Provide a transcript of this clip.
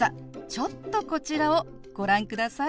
ちょっとこちらをご覧ください。